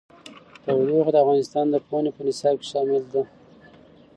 تودوخه د افغانستان د پوهنې په نصاب کې شامل دي.